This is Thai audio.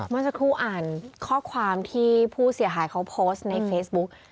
เมื่อสักครู่อ่านข้อความที่ผู้เสียหายเขาโพสต์ในเฟซบุ๊ก